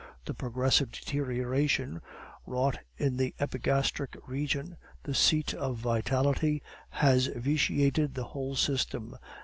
The progressive deterioration wrought in the epigastric region, the seat of vitality, has vitiated the whole system.